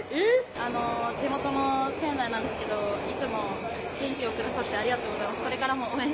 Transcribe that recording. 地元の仙台なんですけれども、いつも元気をくださってありがとうございます。